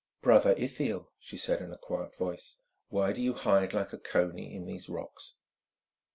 "Brother Ithiel," she said in a quiet voice, "why do you hide like a coney in these rocks?"